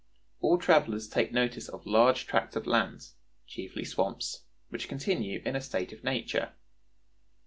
All travelers take notice of large tracts of lands, chiefly swamps, which continue in a state of nature.